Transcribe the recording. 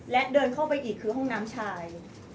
และเดินเข้าไปอีกคือห้องน้ำชาย